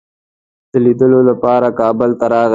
د لیدلو لپاره کابل ته راغی.